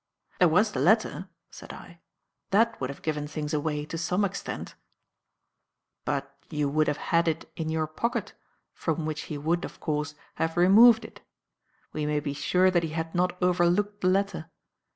"There was the letter," said I. "That would have given things away to some extent." "But you would have had it in your pocket, from which he would, of course, have removed it. We may be sure that he had not overlooked the letter.